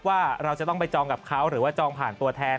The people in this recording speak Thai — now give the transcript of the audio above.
ว่าเราจะต้องไปจองกับเขาหรือว่าจองผ่านตัวแทน